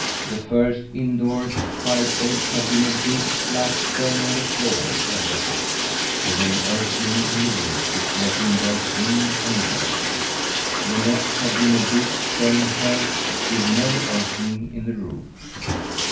The first indoors fireplace had been a big, flat stone on the floor of the hut, with an opening in the roof which let in both wind and rain. The next had been a big stone hearth with no opening in the roof.